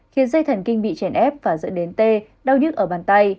khiến dây thần kinh bị chèn ép và dẫn đến tê đau nhức ở bàn tay